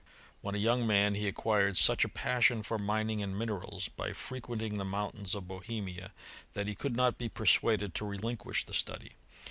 When a young man he acquired such a passion for mining and minerals, by frequenting the mountains of Bohemia, that he could not be persuaded to relinquish the study.